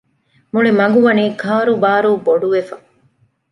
މުޅި މަގުވަނީ ކާރޫބާރޫ ބޮޑުވެފަ